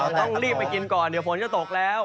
ต้องรีบไปกินก่อนเดี๋ยวฝนจะตกแล้ว